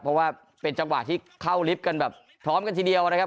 เพราะว่าเป็นจังหวะที่เข้าลิฟต์กันแบบพร้อมกันทีเดียวนะครับ